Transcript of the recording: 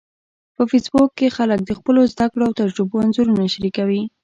په فېسبوک کې خلک د خپلو زده کړو او تجربو انځورونه شریکوي